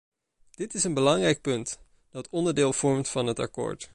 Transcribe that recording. Dit is een belangrijk punt, dat onderdeel vormt van het akkoord.